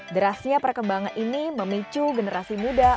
derasnya perkembangan ini memicu generasi muda